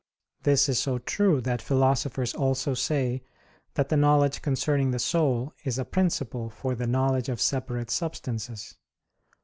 This is so true that philosophers also say that the knowledge concerning the soul is a principle for the knowledge of separate substances.